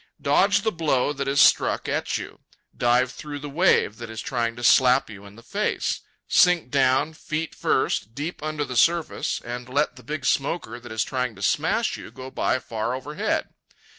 Dodge the blow that is struck at you. Dive through the wave that is trying to slap you in the face. Sink down, feet first, deep under the surface, and let the big smoker that is trying to smash you go by far overhead.